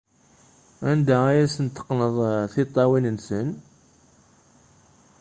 Anda ay asen-teqqneḍ tiṭṭawin-nsen?